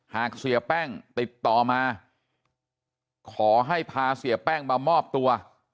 หากเสียแป้งติดต่อมาขอให้พาเสียแป้งมามอบตัว